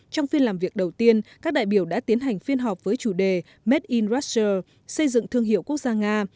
trong phiên làm việc đầu tiên các đại biểu đã tiến hành phiên họp với chủ đề made in raster xây dựng thương hiệu quốc gia nga